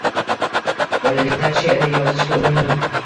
Bolalikdan she’r yozishga urindim.